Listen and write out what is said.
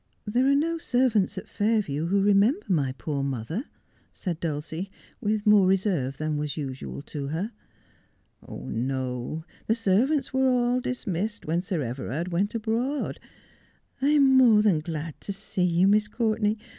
There are no servants at Fair view who remember my poor mother,' said Dulcie, with more reserve than was usual to her. ' No, the servants were all dismissed when Sir Everard went abroad. I am more than glad to see you, Miss Courtenay.